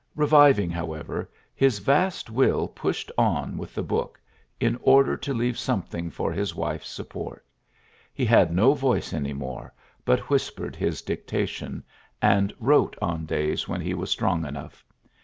Eeviving, how ever, his vast will pushed on with the book, in order to leave something for his wife's support. He had no voice any more, but whispered his dictation^ and wrote on days when he was strong enough.